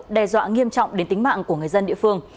đe dọa nghiêm trọng đến tính mạng của người dân địa phương